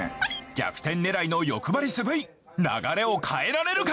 逆転狙いのヨクバリスＶ流れを変えられるか！？